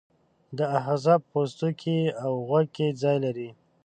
دا آخذه په پوستکي او غوږ کې ځای لري.